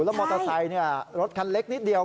แล้วมอเตอร์ไซค์รถคันเล็กนิดเดียว